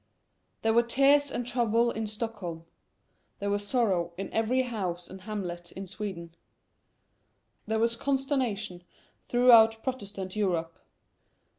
There were tears and trouble in Stockholm; there was sorrow in every house and hamlet in Sweden; there was consternation throughout Protestant Europe.